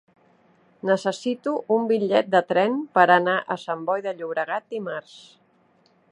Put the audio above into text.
Necessito un bitllet de tren per anar a Sant Boi de Llobregat dimarts.